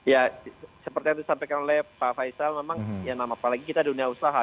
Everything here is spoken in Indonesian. ya seperti yang disampaikan oleh pak faisal memang ya nama apalagi kita dunia usaha